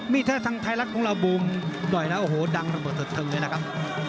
มีแท่ทางไทรัตร์ของเราบูมหน่อยแล้วโอ้โหดังทั้งหมดเถิดเทิงเลยนะครับ